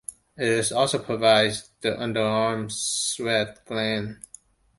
It also provides the under-arm sweat gland.